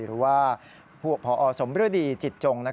หรือว่าผ่ออสมรวยอุ้ยจิตโจง